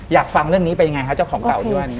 อยากฟังเรื่องนี้เป็นยังไงคะเจ้าของเก่าที่ว่านี้